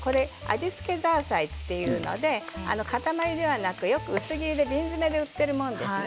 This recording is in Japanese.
味付けザーサイというので塊ではなく薄切りでよく瓶詰で売っているものですね